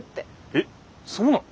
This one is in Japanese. えっそうなの？